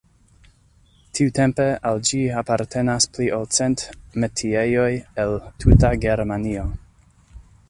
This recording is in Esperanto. Tiutempe al ĝi apartenas pli ol cent metiejoj el tuta Germanio.